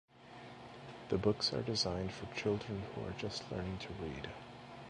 The books are designed for children who are just learning to read.